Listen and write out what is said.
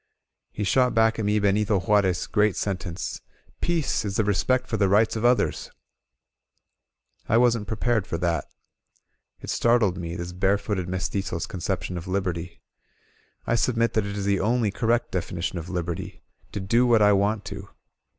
He shot back at me Benito Juarez' great sentence: "Peace is the respect for the rights of others !" I wasn't prepared for that. It startled me, this barefooted mezt%zo*s conception of Liberty. I submit that it is the only correct definition of Liberty — to do what I want to!